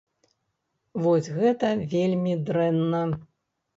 Вось гэта вельмі дрэнна.